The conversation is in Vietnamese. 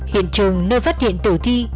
hiện trường nơi phát hiện tử thi